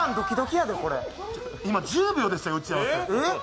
今、１０秒でしたよ、打ち合わせ。